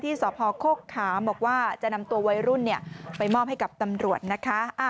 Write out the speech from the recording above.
สพโคกขามบอกว่าจะนำตัววัยรุ่นไปมอบให้กับตำรวจนะคะ